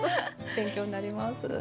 勉強になります。